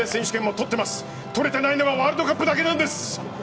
取れていないのはワールドカップだけなんです！